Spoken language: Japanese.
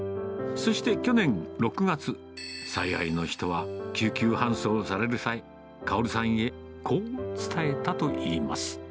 そして去年６月、最愛の人は救急搬送される際、薫さんへ、こう伝えたといいます。